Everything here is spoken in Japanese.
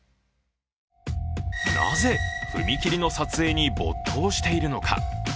なぜ踏切の撮影に没頭しているのか。